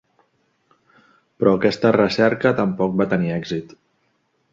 Però aquesta recerca tampoc va tenir èxit.